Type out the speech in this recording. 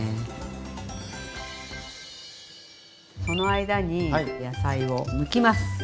その間に野菜をむきます。